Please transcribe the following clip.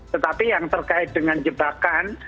tetapi yang terkait dengan jebakan